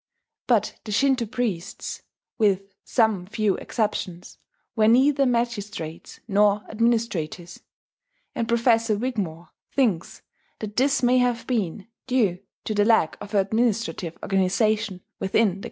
But the Shinto priests, with some few exceptions, were neither magistrates nor administrators; and Professor Wigmore thinks that this may have been "due to the lack of administrative organization within the cult itself."